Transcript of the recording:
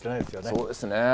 そうですね。